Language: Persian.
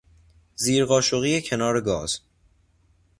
زیر قاشقی کنار گاز